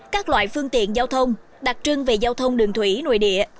các loại phương tiện giao thông đặc trưng về giao thông đường thủy nội địa